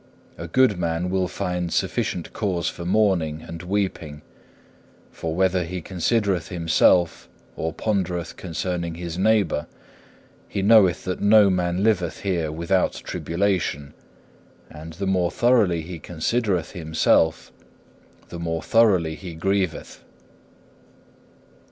A good man will find sufficient cause for mourning and weeping; for whether he considereth himself, or pondereth concerning his neighbour, he knoweth that no man liveth here without tribulation, and the more thoroughly he considereth himself, the more thoroughly he grieveth.